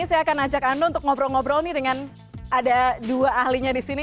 saya akan ajak anda untuk ngobrol ngobrol nih dengan ada dua ahlinya di sini